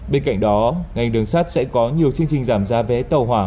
bên cạnh đó ngành đường sắt sẽ có nhiều chương trình giảm giá vé tàu hỏa